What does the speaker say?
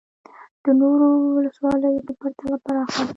د نورو ولسوالیو په پرتله پراخه ده